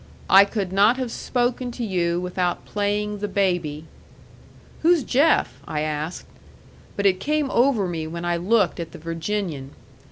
"I could not have spoke to you without playing the baby." "Who's Jeff?" I asked. But it came over me when I looked at the Virginian.